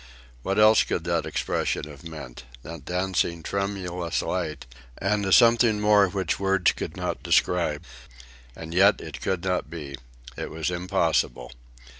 What else could that expression have meant—that dancing, tremulous light, and a something more which words could not describe. And yet it could not be. It was impossible.